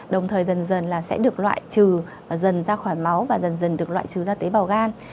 đồng thời dần dần là sẽ được loại trừ dần ra khỏi máu và dần dần được loại trừ ra tế bào gan